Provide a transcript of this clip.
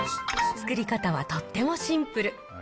作り方はとってもシンプル。